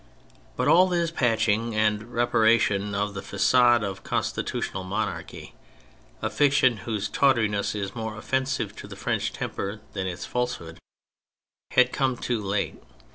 But all this patching and reparation of the facade of constitutional monarchy (a fiction whose tawdriness is more offensive to the French temper than its falsehood) had come too late.